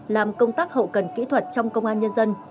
làm công tác hậu cần kỹ thuật trong công an nhân dân